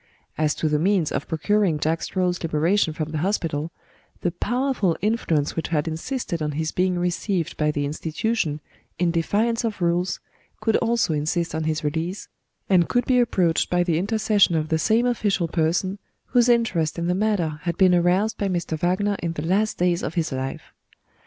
As to the means of procuring Jack Straw's liberation from the Hospital, the powerful influence which had insisted on his being received by the Institution, in defiance of rules, could also insist on his release, and could be approached by the intercession of the same official person, whose interest in the matter had been aroused by Mr. Wagner in the last days of his life.